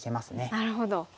なるほど。